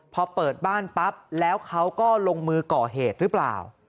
พอเปิดบ้านปั๊บแล้วเขาก็ลงมือก่อเหตุหรือเปล่า